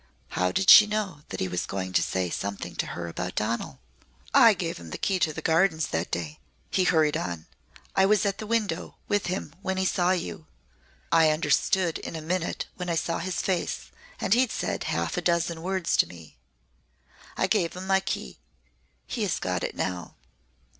How did she know that he was going to say something to her about Donal? "I gave him the key to the Gardens that day," he hurried on. "I was at the window with him when he saw you. I understood in a minute when I saw his face and he'd said half a dozen words to me. I gave him my key. He has got it now."